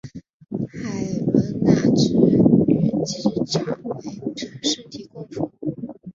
海伦娜区域机场为城市提供服务。